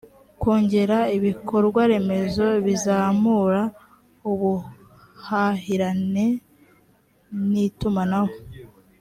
kongera ibikorwaremezo bizamura ubuhahirane n itumanaho